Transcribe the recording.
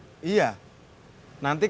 nanti kalau dia mau ikut